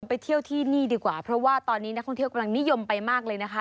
ไปเที่ยวที่นี่ดีกว่าเพราะว่าตอนนี้นักท่องเที่ยวกำลังนิยมไปมากเลยนะคะ